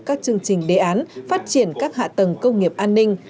các chương trình đề án phát triển các hạ tầng công nghiệp an ninh